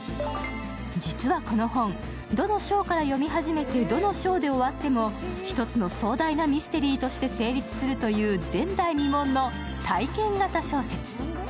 実はこの本、どの章から読み始めてどの章で終わっても１つの壮大なミステリーとして成立するという前代未聞の体験型小説。